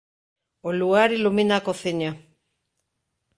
o luar ilumina a cociña;